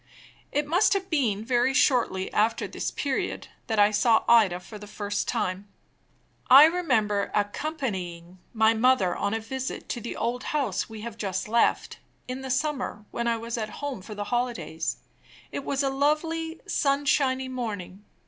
It must have been very shortly after this period that I saw Ida for the first time. I remember accompanying my mother on a visit to the old house we have just left, in the summer, when I was at home for the holidays. It was a lovely, sunshiny morning.